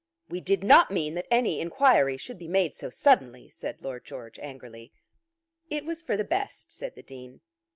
"We did not mean that any inquiry should be made so suddenly," said Lord George angrily. "It was for the best," said the Dean.